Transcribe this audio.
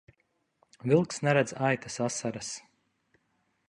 Vilks neredz aitas asaras.